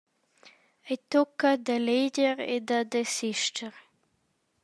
Ei tucca d’eleger e da desister.